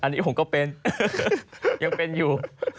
อันนี้ผมก็เป็นยังเป็นอยู่